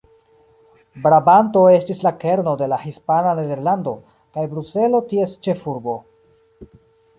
Brabanto estis la kerno de la hispana Nederlando, kaj Bruselo ties ĉefurbo.